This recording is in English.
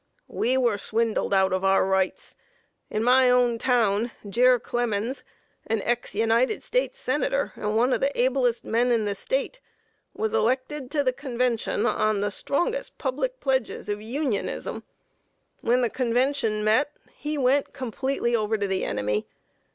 "We were swindled out of our rights. In my own town, Jere Clemens an ex United States senator, and one of the ablest men in the State was elected to the convention on the strongest public pledges of Unionism. When the convention met, he went completely over to the enemy.